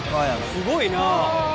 すごいな。